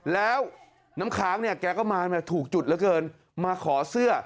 แล้วน้ำค้างเนี่ยแกก็มาถูกจุดเหลือเกินมาขอเสื้อ